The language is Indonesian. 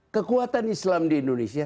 kekuatan islam di indonesia